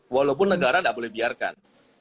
walaupun negara tidak boleh biarkan